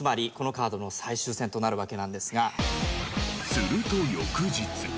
すると翌日。